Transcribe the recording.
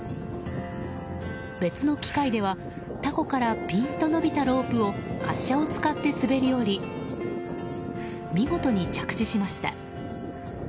別の機会ではたこからピンと伸びたロープを滑車を使って滑り降り見事に着地しました。